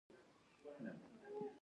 د ژبي خدمت کول ډیر اسانه کار دی.